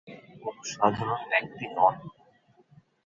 কোন সাধারণ ব্যক্তি নন।